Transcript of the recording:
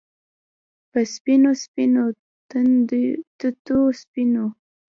په سپینو، سپینو تتېو سپینو